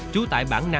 trú tại bảng na hí